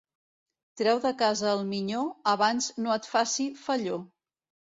Treu de casa el minyó abans no et faci felló.